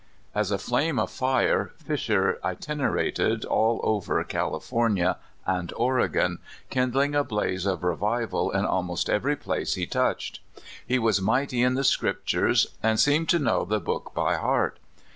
As a flame of fire, Fisher itinerated all over Cal ifornia and Oregon, kindling a blaze of revival in almost every place he touched. He was mighty in the Scriptures, and seemed to know the Book by heart.